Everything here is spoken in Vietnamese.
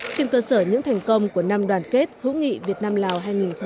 trên cơ sở những thành công của năm đoàn kết hữu nghị việt nam lào hai nghìn một mươi tám